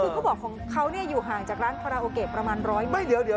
คือเขาบอกของเขาอยู่ห่างจากร้านคาราโอเกะประมาณ๑๐๐เมตร